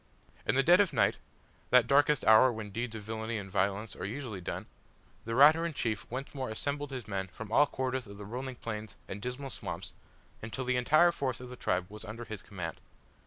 In the dead of night that darkest hour when deeds of villainy and violence are usually done the Raturan chief once more assembled his men from all quarters of the rolling plains and the dismal swamps, until the entire force of the tribe was under his command.